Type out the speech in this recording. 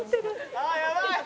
「ああ！やばい！」